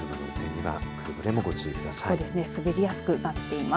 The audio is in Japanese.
車の運転にはくれぐれもご注意ください。